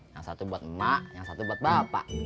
yang satu buat emak yang satu buat bapak